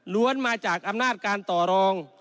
มาจากอำนาจการต่อรอง